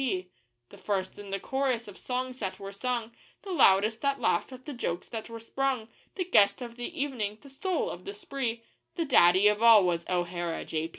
P. The first in the chorus of songs that were sung, The loudest that laughed at the jokes that were sprung, The guest of the evening, the soul of the spree The daddy of all was O'Hara, J.